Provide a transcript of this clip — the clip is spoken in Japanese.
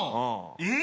えっ？